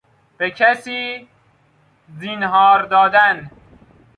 به کسی زینهار دادن